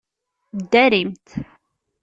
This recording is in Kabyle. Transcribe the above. Ddarimt!